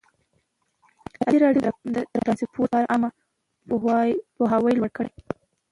ازادي راډیو د ترانسپورټ لپاره عامه پوهاوي لوړ کړی.